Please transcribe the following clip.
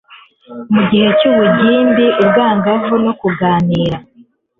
mu gihe cy'ubugimbi ubwangavu no kuganira